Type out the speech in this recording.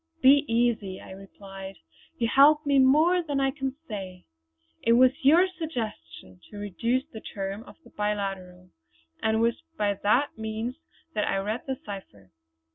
"Be easy," I replied. "You helped me more than I can say. It was your suggestion to reduce the terms of the biliteral; and it was by that means that I read the cipher.